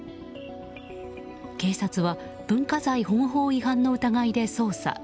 警察は文化財保護法違反の疑いで捜査。